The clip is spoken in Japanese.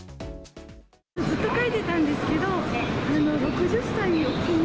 ずっと書いてたんですけど、６０歳を機に、